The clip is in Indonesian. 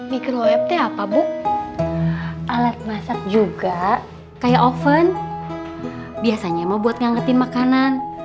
mikroweb teh apa buk alat masak juga kayak oven biasanya mau buat ngangetin makanan